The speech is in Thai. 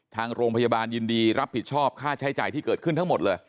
ทางโรงพยาบาลยินดีรับผิดชอบค่าใช้จ่ายที่เกิดขึ้นทั้งหมดเลย